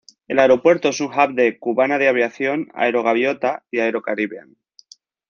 El aeropuerto es un hub de Cubana de Aviación, Aero Gaviota y Aero Caribbean.